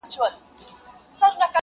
• ښکاري ګوري موږکان ټوله تاوېږي..